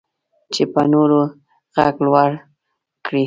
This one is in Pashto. چې په نورو غږ لوړ کړي.